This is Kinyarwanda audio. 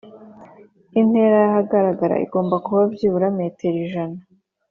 intera y'ahagaragara igomba kuba byibura metero ijana.